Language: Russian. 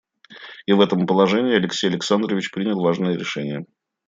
И в этом положении Алексей Александрович принял важное решение.